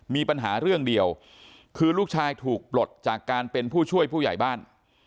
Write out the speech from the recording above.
มีปัญหาเรื่องเดียวคือลูกชายถูกปลดจากการเป็นผู้ช่วยผู้ใหญ่บ้าน